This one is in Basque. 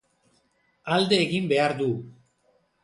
Alde egin behar du.